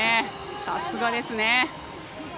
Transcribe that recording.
さすがですね。